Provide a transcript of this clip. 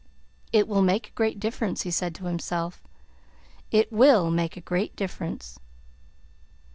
"It will make a great difference," he said to himself. "It will make a great difference."